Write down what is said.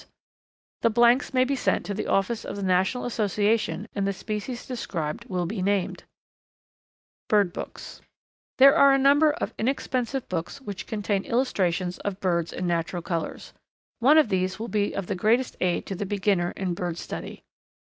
(See sample, page 13.) The blanks may be sent to the office of the National Association and the species described will be named. [Illustration: Sample page of reporting blank] Bird Books. There are a number of inexpensive books which contain illustrations of birds in natural colours. One of these will be of the greatest aid to the beginner in bird study.